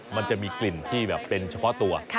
มันจะมีกลิ่นที่แบบเป็นเฉพาะตัว